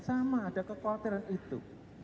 sama ada kekhawatiran itu